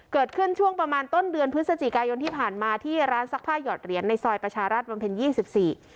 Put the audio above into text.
เกิดขึ้นช่วงประมาณต้นเดือนพฤศจิกายนที่ผ่านมาที่ร้านซักผ้าหยอดเหรียญในซอยประชารัฐบำเพ็ญยี่สิบสี่